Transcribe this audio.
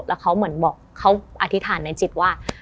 แล้วเขาเหมือนบอกเขาอธิษฐานในจิตว่า